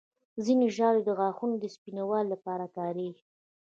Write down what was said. ځینې ژاولې د غاښونو د سپینوالي لپاره کارېږي.